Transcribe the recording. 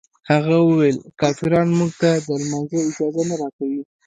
هغه ویل کافران موږ ته د لمانځه اجازه نه راکوي.